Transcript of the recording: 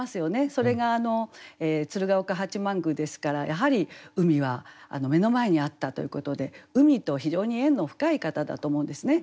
それが鶴岡八幡宮ですからやはり海は目の前にあったということで海と非常に縁の深い方だと思うんですね。